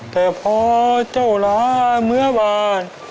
แต่พอเจ้าหลาเหมือบาท